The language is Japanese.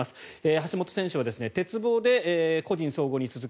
橋本選手は鉄棒で個人総合に続く